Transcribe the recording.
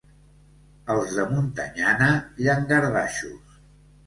Els de Montanyana, llangardaixos.